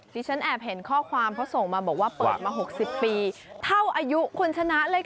ที่ฉันแอบเห็นข้อความเขาส่งมาบอกว่าเปิดมา๖๐ปีเท่าอายุคุณชนะเลยค่ะ